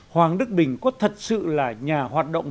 hoàng đức bình có thật sự là nhà hoạt động